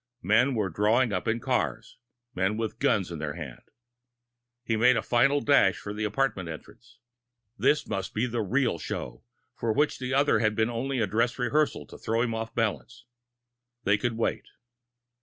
Men were drawing up in cars men with guns in their hands. He made a final dash for the apartment entrance. This must be the real show for which the other had been only a dress rehearsal to throw him off balance. They could wait.